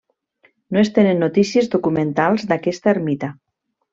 No es tenen notícies documentals d'aquesta ermita.